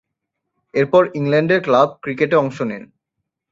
এরপর ইংল্যান্ডের ক্লাব ক্রিকেটে অংশ নেন।